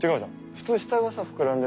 普通下がさ膨らんで。